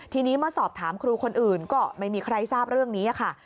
ทีนี้เมื่อสอบถามครูคนอื่นก็ไม่มีใครทราบเรื่องนี้ค่ะ